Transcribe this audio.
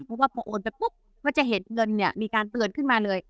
เพราะว่าพอโอนไปปุ๊บก็จะเห็นเงินเนี่ยมีการเตือนขึ้นมาเลย